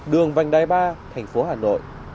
đường vành đái ba thành phố hà nội